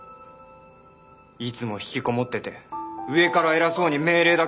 いつもひきこもってて上から偉そうに命令だけして。